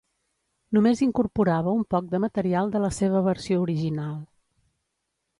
Només incorporava un poc de material de la seva versió original.